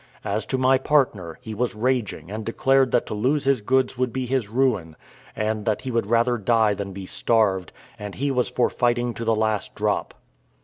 As to my partner, he was raging, and declared that to lose his goods would be his ruin, and that he would rather die than be starved, and he was for fighting to the last drop.